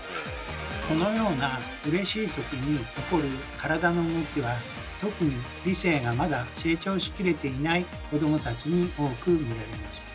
このようなうれしい時に起こる体の動きは特に理性がまだ成長しきれていない子どもたちに多く見られます。